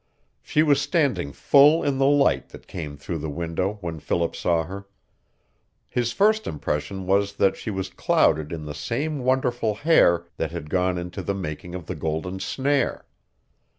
She was standing full in the light that came through the window when Philip saw her. His first impression was that she was clouded in the same wonderful hair that had gone into the making of the golden snare.